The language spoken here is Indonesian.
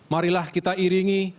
marilah kita iringi